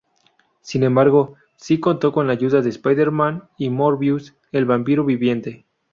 Sin embargo, sí contó con la ayuda de Spider-Man y Morbius, el vampiro viviente.